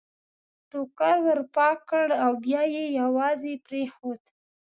ټوکر ور پاک کړ او بیا یې یوازې پرېښود.